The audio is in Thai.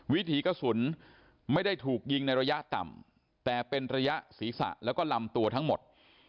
วิถีกระสุนไม่ได้ถูกยิงในระยะต่ำแต่เป็นระยะศีรษะแล้วก็ลำตัวทั้งหมด